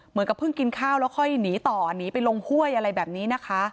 เหมือนกับเพิ่งกินข้าวแล้วค่อยหนีต่อหนีไปลงห้วยอะไรแบบนี้นะคะ